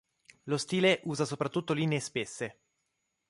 Lo stile usa soprattutto linee spesse.